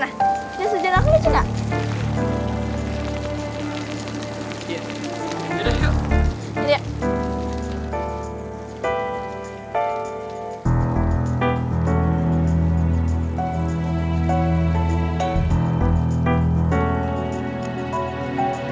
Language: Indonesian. ah jangan jangan